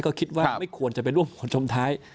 จมท้ายคิดว่าไม่ควรจะเป็นอ้วมของจมท้าย